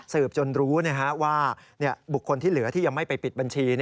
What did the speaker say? จนรู้ว่าบุคคลที่เหลือที่ยังไม่ไปปิดบัญชี